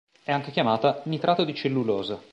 È anche chiamata "nitrato di cellulosa".